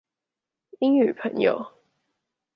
英語朋友